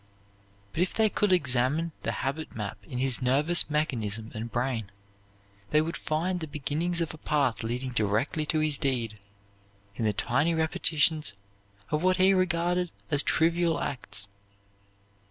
But, if they could examine the habit map in his nervous mechanism and brain, they would find the beginnings of a path leading directly to his deed, in the tiny repetitions of what he regarded as trivial acts.